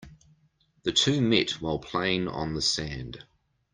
The two met while playing on the sand.